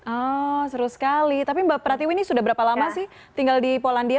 oh seru sekali tapi mbak pratiwi ini sudah berapa lama sih tinggal di polandia